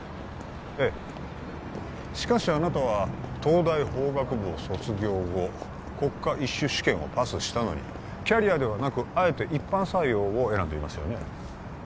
ええしかしあなたは東大法学部を卒業後国家Ⅰ種試験をパスしたのにキャリアではなくあえて一般採用を選んでいますよね